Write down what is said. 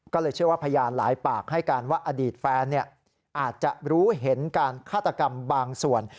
ก็เลยเชื่อว่าพยานหลายปากให้การว่าอดีตแฟนอาจจะรู้เห็นการฆาตกรรมบางส่วน